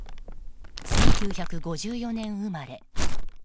１９５４年生まれ。